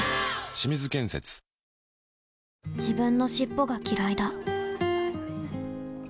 清水建設自分の尻尾がきらいだ